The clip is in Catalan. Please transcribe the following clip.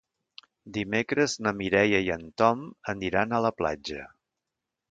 Dimecres na Mireia i en Tom aniran a la platja.